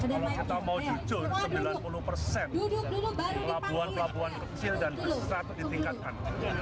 kalau kita mau jujur sembilan puluh persen pelabuhan pelabuhan kecil dan besar ditingkatkan